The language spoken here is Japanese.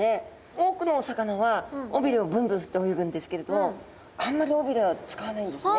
多くのお魚は尾びれをブンブン振って泳ぐんですけれどあんまり尾びれは使わないんですね。